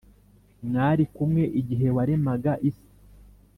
mwari kumwe igihe waremaga isi;